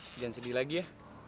jangan sedih lagi ya